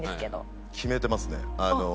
決めてますね。